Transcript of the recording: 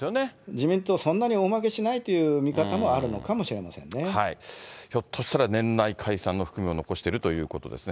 自民党、そんなに大負けしないという見方もあるのかもしれまひょっとしたら年内解散の含みも残しているということですね。